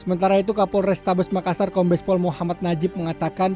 sementara itu kapolres tabes makassar kombespol muhammad najib mengatakan